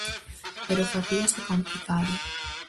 Pero facíase complicado.